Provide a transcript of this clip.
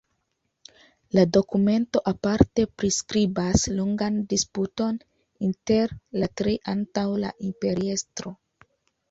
La dokumento aparte priskribas longan disputon inter la tri antaŭ la imperiestro.